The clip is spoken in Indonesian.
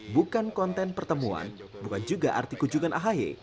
bukan konten pertemuan bukan juga arti kunjungan ahi